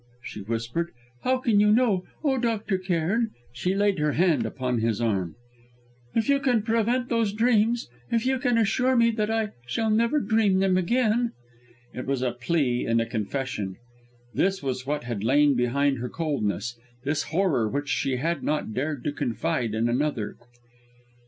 she whispered. "How can you know! Oh, Dr. Cairn!" She laid her hand upon his arm "if you can prevent those dreams; if you can assure me that I shall never dream them again !" It was a plea and a confession. This was what had lain behind her coldness this horror which she had not dared to confide in another.